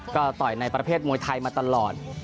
ก็ต่อยในประเภทมวยไทยมาตลอด